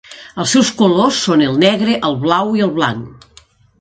Els seus colors són el negre, el blau i el blanc.